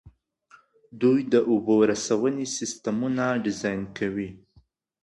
دوی د اوبو رسونې سیسټمونه ډیزاین کوي.